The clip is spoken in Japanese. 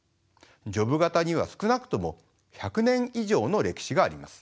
ジョブ型には少なくとも１００年以上の歴史があります。